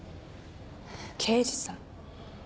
刑事さん？